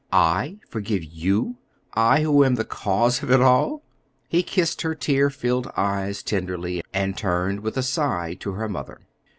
I forgive you? I, who am the cause of it all?" He kissed her tear filled eyes tenderly, and turned with a sign to her mother.